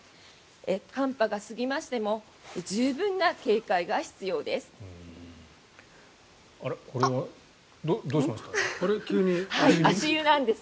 寒波が過ぎましても十分な警戒が必要です。